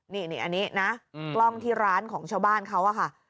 นี่อันนี้นะกล้องที่ร้านของชาวบ้านเขาอะค่ะ